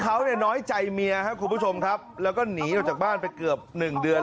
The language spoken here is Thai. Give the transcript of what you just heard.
เขาจะน้อยใจเมียเมียครับกูผู้ชมครับแล้วก็หนีออกจากบ้านไปเกือบ๑